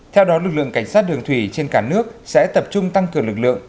theo đó lực lượng cảnh sát đường thủy trên cả nước sẽ tập trung tăng cường lực lượng